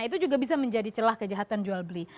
itu juga bisa menjadi celah kejahatan jual beli